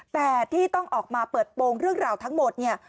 แต่ที่ต้องออกมาเปิดโปรงเรื่องราวทั้งหมดเนี่ย